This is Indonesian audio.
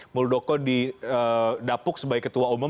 muldoko didapuk sebagai ketua umum